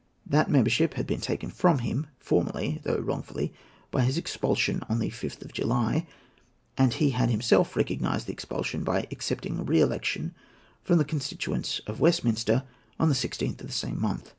That membership had been taken from him, formally, though wrongfully, by his expulsion on the 5th of July, and he had himself recognized the expulsion by accepting re election from the constituents of Westminster on the 16th of the same month.